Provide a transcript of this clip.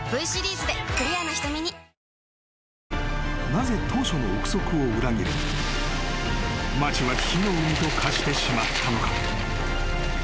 ［なぜ当初の臆測を裏切り街は火の海と化してしまったのか？］